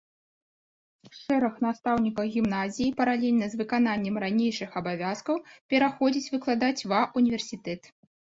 Шэраг настаўнікаў гімназіі, паралельна з выкананнем ранейшых абавязкаў, пераходзіць выкладаць ва ўніверсітэт.